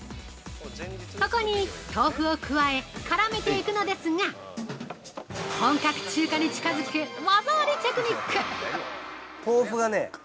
◆ここに豆腐を加え絡めていくのですが本格中華に近づく技ありテクニック！